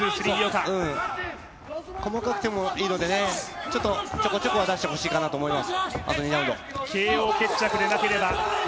細かくてもいいのでちょこちょこ出してほしいと思います。